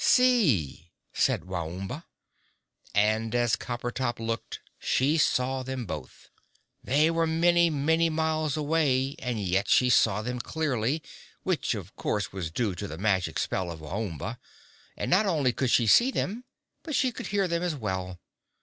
"See!" said Waomba. And as Coppertop looked, she saw them both. They were many, many miles away, and yet she saw them clearly, which, of course, was due to the magic spell of Waomba; and not only could she see them, but she could hear them as well.